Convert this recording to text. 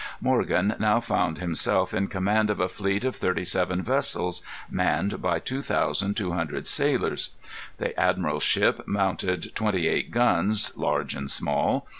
Morgan now found himself in command of a fleet of thirty seven vessels, manned by two thousand two hundred sailors. The admiral's ship mounted twenty eight guns, large and small.